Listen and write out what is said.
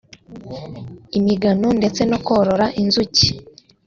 imigano ndetse no korora inzuki